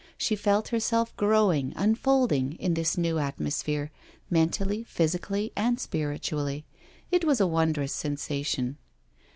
She felt herself growing, unfolding, in this new atmo sphere, mentally, physically, and spiritually — it was a wondrous sensation.